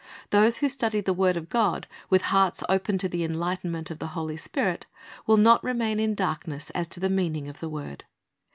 Those w^ho study the word of God with hearts open to the enlightenment of the Holy Spirit, will not remain in darkness as to the meaning" of the word.